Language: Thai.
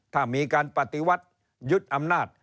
ถ้ามีการปฏิวัติยึดอำนาจ